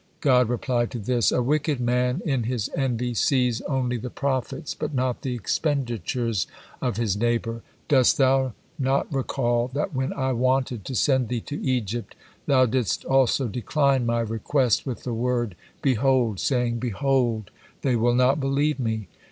'" God replied to this: "A wicked man in his envy sees only the profits, but not the expenditures of his neighbor. Dost thou not recall that when I wanted to send thee to Egypt, thou didst also decline My request with the word, 'Behold,' saying, 'Behold, they will not believe me.'